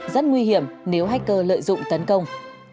rất nguy hiểm nếu hacker lợi dụng tấn công